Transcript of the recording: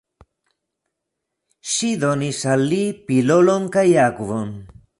Ŝi donis al li pilolon kaj akvon.